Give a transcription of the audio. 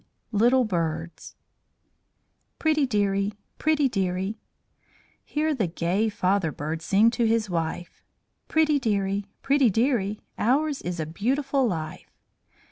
LITTLE BIRDS "Pretty Dearie! Pretty Dearie!" Hear the gay father bird sing to his wife. "Pretty Dearie! Pretty Dearie! Ours is a beautiful life.